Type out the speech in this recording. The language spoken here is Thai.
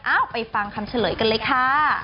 ไปฟังคำเฉลยกันเลยค่ะ